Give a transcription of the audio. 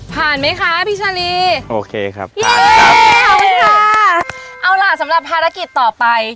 ไหมคะพี่ชาลีโอเคครับขอบคุณค่ะเอาล่ะสำหรับภารกิจต่อไป